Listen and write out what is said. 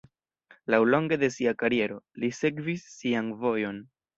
Laŭlonge de sia kariero, li "sekvis sian vojon".